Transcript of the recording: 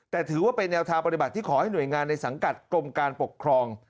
แต่ถือว่าเป็นแนวทางปฏิบัติที่ขอให้หน่วยงานในสังกัดกรมการปกครอง